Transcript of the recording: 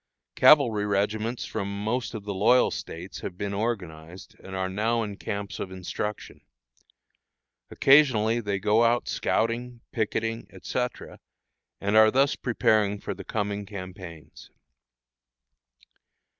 Cavalry regiments from most of the loyal States have been organized, and are now in camps of instruction. Occasionally they go out scouting, picketing, etc., and are thus preparing for the coming campaigns.